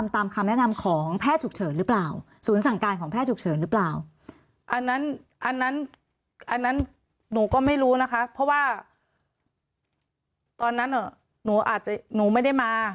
ตอนนั้นหนูไม่ได้มา